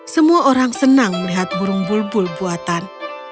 semua orang senang melihat burung bulbul buatan